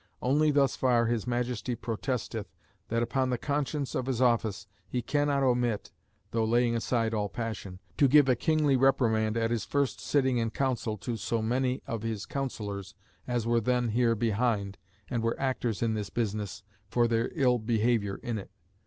Only thus far his Majesty protesteth, that upon the conscience of his office he cannot omit (though laying aside all passion) to give a kingly reprimand at his first sitting in council to so many of his councillors as were then here behind, and were actors in this business, for their ill behaviour in it.